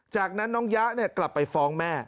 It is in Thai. จากนั้นน้องย้าเนี่ยกลับไปฟ้องแม่